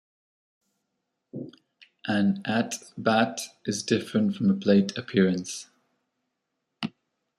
An at bat is different from a plate appearance.